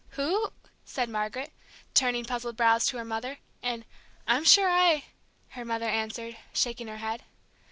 "Who ?" said Margaret, turning puzzled brows to her mother, and "I'm sure I " her mother answered, shaking her head.